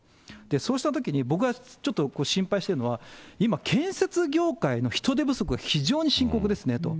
そうしたときに、僕がちょっと心配しているのは、今、建設業界の人手不足が非常に深刻ですねと。